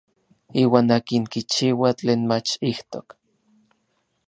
Iuan akin kichiua tlen mach ijtok.